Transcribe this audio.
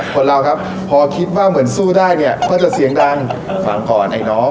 คนเราครับพอคิดว่าเหมือนสู้ได้เนี่ยก็จะเสียงดังฟังก่อนไอ้น้อง